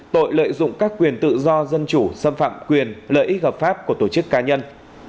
tội lợi dụng các quyền tự do dân chủ xâm phạm quyền lợi ích hợp pháp của tổ chức cá nhân